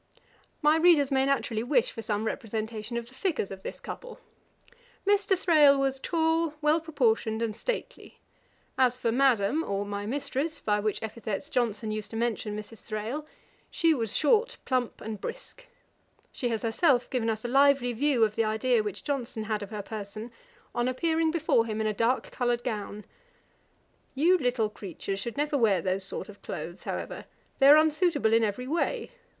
My readers may naturally wish for some representation of the figures of this couple. Mr. Thrale was tall, well proportioned, and stately. As for Madam, or my Mistress, by which epithets Johnson used to mention Mrs. Thrale, she was short, plump, and brisk. She has herself given us a lively view of the idea which Johnson had of her person, on her appearing before him in a dark coloured gown; 'You little creatures should never wear those sort of clothes, however; they are unsuitable in every way.